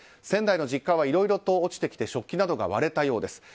仙台の実家はいろいろと落ちてきて食器などが割れたようです。